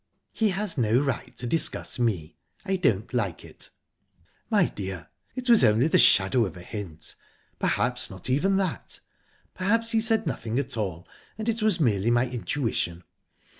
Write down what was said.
"He has no right to discuss me. I don't like it." "My dear, it was only the shadow of a hint perhaps not even that. Perhaps he said nothing at all, and it was merely my intuition...